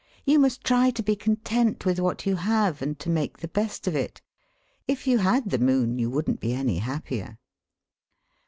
You must try to be content with what you have, and to make the best of it. If you had the moon you wouldn't be any happier.'